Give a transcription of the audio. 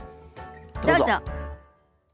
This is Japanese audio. どうぞ。